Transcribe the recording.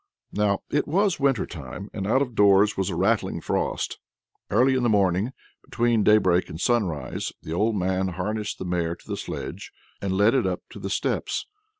Now it was winter time, and out of doors was a rattling frost. Early in the morning, between daybreak and sunrise, the old man harnessed the mare to the sledge, and led it up to the steps.